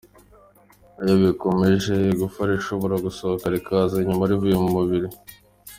Iyo bikomeje, igufa rishobora gusohoka rikaza inyuma rivuye mu mubiri.